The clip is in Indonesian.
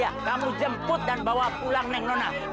ya kamu jemput dan bawa pulang neng nona